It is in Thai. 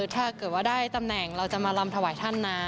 ถ้าเกิดว่าได้ตำแหน่งเราจะมารำถวายท่านนะ